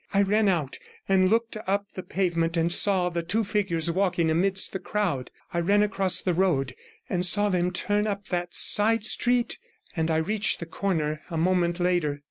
I ran out, and looked up the pavement, and saw the two figures walking amidst the crowd. I ran across the road, and saw them turn up that side street, and I reached the corner a moment later.